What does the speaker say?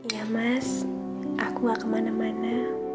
ya mas aku gak kemana mana